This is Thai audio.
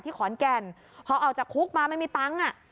ขอนแก่นพอออกจากคุกมาไม่มีตังค์อ่ะ